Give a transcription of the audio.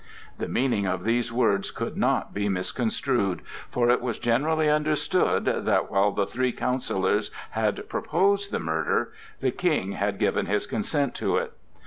The meaning of these words could not be misconstrued, for it was generally understood that, while the three counsellors had proposed the murder, the King had given his consent to it.